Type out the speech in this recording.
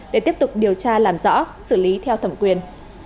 để tiếp tục điều tra làm rõ xử lý theo thẩm quyền